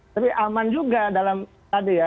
tapi aman juga dalam tadi ya